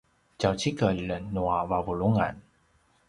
tjaucikel nua vavulungan